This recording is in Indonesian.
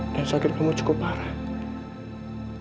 dan sakit kamu cukup parah